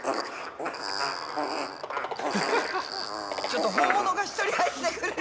ちょっと本物が１人入ってる。